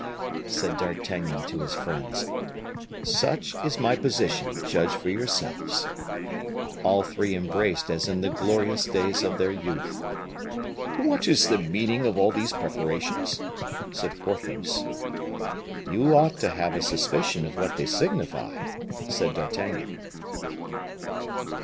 said D'Artagnan to his friends, "such is my position, judge for yourselves." All three embraced as in the glorious days of their youth. "What is the meaning of all these preparations?" said Porthos. "You ought to have a suspicion of what they signify," said D'Artagnan.